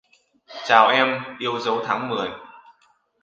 Chào em, yêu dấu Tháng Mười